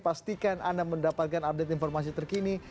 pastikan anda mendapatkan update informasi terkini